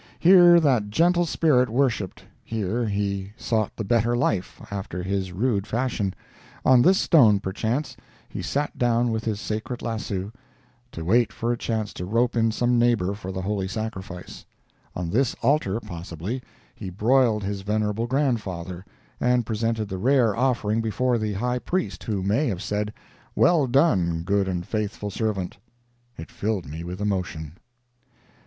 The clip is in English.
Here that gentle spirit worshipped; here he sought the better life, after his rude fashion; on this stone, perchance, he sat down with his sacred lasso, to wait for a chance to rope in some neighbor for the holy sacrifice; on this altar, possibly, he broiled his venerable grandfather, and presented the rare offering before the high priest, who may have said, "Well done, good and faithful servant." It filled me with emotion.